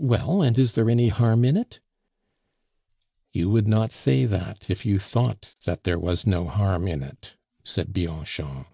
"Well, and is there any harm in it?" "You would not say that if you thought that there was no harm in it," said Bianchon.